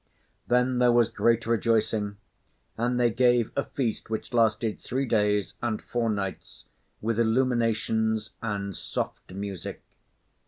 Then there was great rejoicing; and they gave a feast which lasted three days and four nights, with illuminations and soft music.